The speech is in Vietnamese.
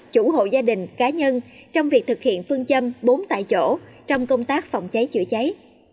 chủ hộ gia đình cá nhân trong việc thực hiện phương châm bốn tại chỗ trong công tác phòng cháy chữa cháy